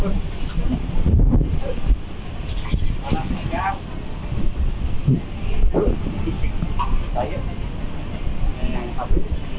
tidak tidak tidak